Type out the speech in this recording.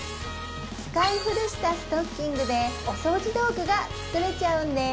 使い古したストッキングでお掃除道具が作れちゃうんです